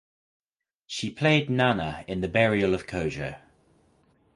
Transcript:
She played Nana in The Burial of Kojo.